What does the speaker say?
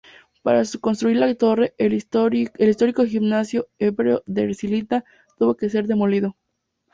Para construir la torre, el histórico Gimnasio Hebreo de Herzliya tuvo que ser demolido.